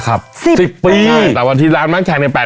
เมื่อวันที่๑๕พศภานะ